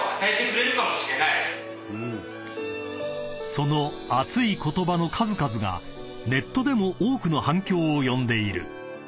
［その熱い言葉の数々がネットでも多くの反響を呼んでいる］